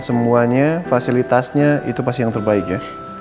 semuanya fasilitasnya itu pasti yang terbaik ya